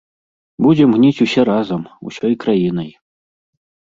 Будзем гніць усе разам, усёй краінай.